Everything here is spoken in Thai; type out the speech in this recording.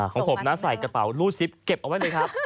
ของผมนะใส่กระเป๋ารูดซิปเก็บเอาไว้เลยครับ